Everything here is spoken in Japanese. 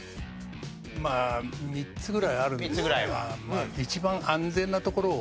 まあ３つぐらいあるんですが一番安全なところを。